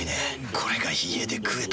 これが家で食えたなら。